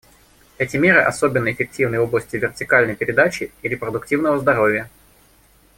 Эти меры особенно эффективны в области вертикальной передачи и репродуктивного здоровья.